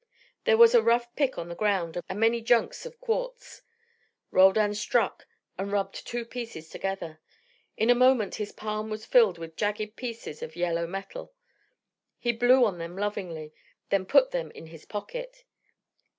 There was a rough pick on the ground, and many junks of quartz. Roldan struck and rubbed two pieces together. In a moment his palm was filled with jagged pieces of yellow metal. He blew on them lovingly, then put them in his pocket.